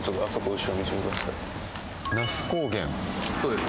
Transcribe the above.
そうです